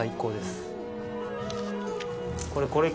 これ？